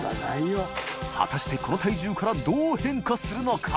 この体重からどう変化するのか？